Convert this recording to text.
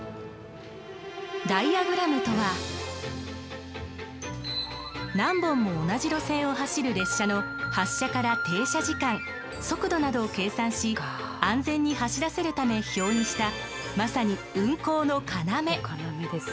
ダイヤグラムとは何本も同じ路線を走る列車の発車から停車時間速度などを計算し安全に走らせるため表にしたまさに運行の要。